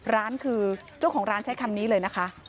ร้านคือเจ้าของร้านใช้คำนี้เลยนะคะ